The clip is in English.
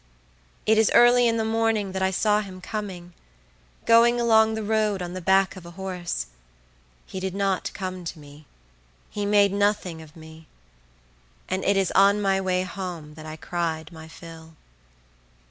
It is early in the morning that I saw him coming, going along the road on the back of a horse; he did not come to me; he made nothing of me; and it is on my way home that I cried my fill.